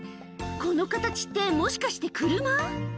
この形ってもしかして車？